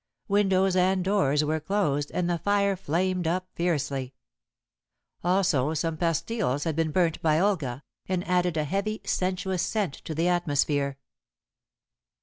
Windows and doors were closed, and the fire flamed up fiercely. Also some pastiles had been burnt by Olga, and added a heavy, sensuous scent to the atmosphere.